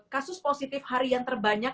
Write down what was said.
kasus positif hari yang terbanyak